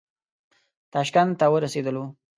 تاشکند ته ورسېدلو.